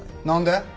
何で？